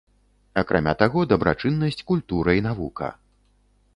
Акрамя таго, дабрачыннасць, культура і навука.